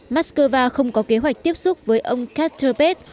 moscow không có kế hoạch tiếp xúc với ông katerpets